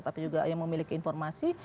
tapi juga yang memiliki informasi